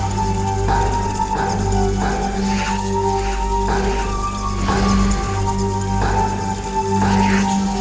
paman aku bertanya paman